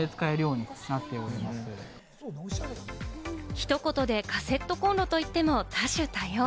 ひと言でカセットコンロといっても多種多様。